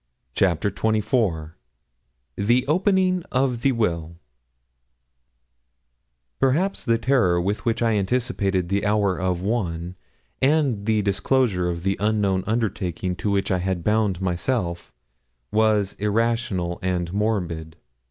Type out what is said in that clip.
CHAPTER XXIV THE OPENING OF THE WILL Perhaps the terror with which I anticipated the hour of one, and the disclosure of the unknown undertaking to which I had bound myself, was irrational and morbid.